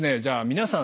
皆さん